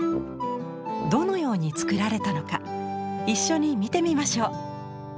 どのように作られたのか一緒に見てみましょう。